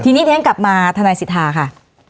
ทีนี้เรียกกลับมาธนาศิษฐาค่ะ